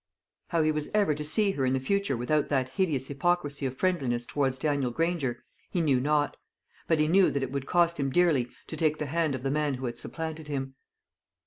How he was ever to see her in the future without that hideous hypocrisy of friendliness towards Daniel Granger, he knew not; but he knew that it would cost him dearly to take the hand of the man who had supplanted him.